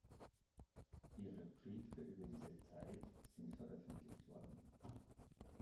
Ihre Briefe über diese Zeit sind veröffentlicht worden.